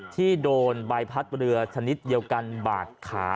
ที่โดนใบพัดเรือชนิดเดียวกันบาดขา